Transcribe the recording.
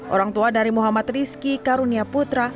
orang tua dari muhammad rizky karunia putra